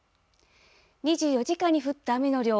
２４時間に降った雨の量。